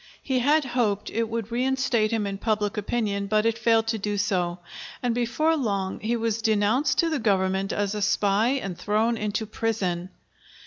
He had hoped it would reinstate him in public opinion, but it failed to do so, and before long he was denounced to the government as a spy and thrown into prison.